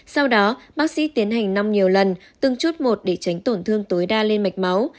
sau đó bác sĩ tiến hành năm nhiều lần từng chút một để tránh tổn thương tối đa lên mạch máu